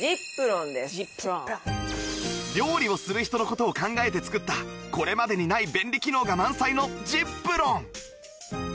料理をする人の事を考えて作ったこれまでにない便利機能が満載の ｚｉｐｒｏｎ